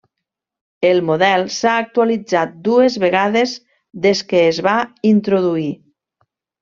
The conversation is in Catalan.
El model s'ha actualitzat dues vegades des que es va introduir.